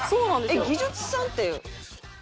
えっ技術さんって。